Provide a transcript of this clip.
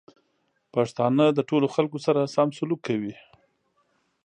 پښتانه د ټولو خلکو سره سم سلوک کوي.